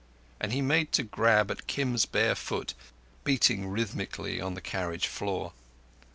and he made to grab at Kim's bare foot beating rhythmically on the carriage floor.